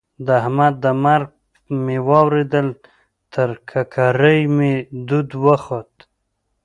د احمد د مرګ مې واورېدل؛ تر ککرۍ مې دود وخوت.